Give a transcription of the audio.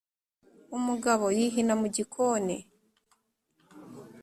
umugabo yihina mu gikoni ,